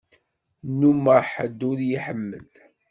Nnumeɣ ḥedd ur y-iḥemmel.